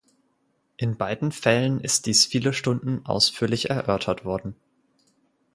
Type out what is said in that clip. In beiden Fällen ist dies viele Stunden ausführlich erörtert worden.